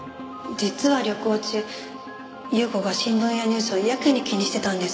実は旅行中優子が新聞やニュースをやけに気にしてたんです。